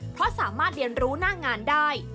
เพราะสามารถเรียนรู้หน้างานได้